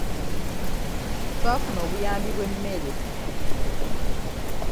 Twafuna obuyambi bw'emmere.